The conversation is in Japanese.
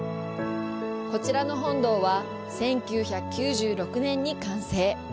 こちらの本堂は１９９６年に完成。